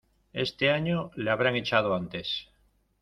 Este año le habrán echado antes.